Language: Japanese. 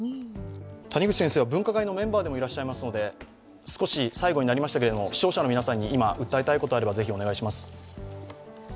谷口先生は、分科会のメンバーでもいらっしゃいますので、最後になりましたが視聴者の皆さんに今、訴えたいことがあれば、ぜひお願いします。